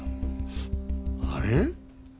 あれ？